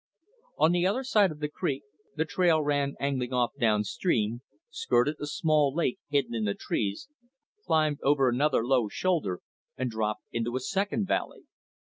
On the other side of the creek, the trail ran angling off downstream, skirted a small lake hidden in the trees, climbed over another low shoulder and dropped into a second valley.